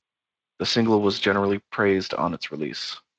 The single was generally praised on its release.